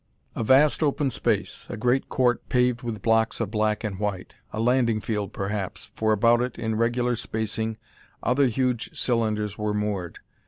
A vast open space a great court paved with blocks of black and white a landing field, perhaps, for about it in regular spacing other huge cylinders were moored.